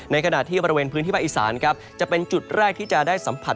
ขณะที่บริเวณพื้นที่ภาคอีสานครับจะเป็นจุดแรกที่จะได้สัมผัส